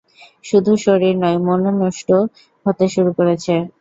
শুধু শরীর নয়-মূনও নুষ্ট হতে শুরু করেছে।